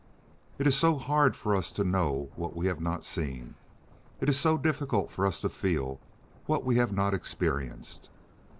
It is so hard for us to know what we have not seen. It is so difficult for us to feel what we have not experienced.